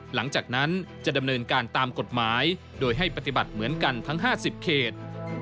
หลังจากนั้นจะดำเนินการตามกฎหมายโดยให้ปฏิบัติเหมือนกันทั้ง๕๐เขต